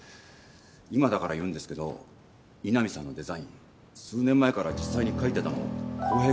今だから言うんですけど井波さんのデザイン数年前から実際に描いてたの浩平くんなんです。